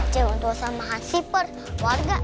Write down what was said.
cari bantuan sama hansi per warga